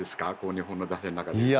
日本の打線の中で。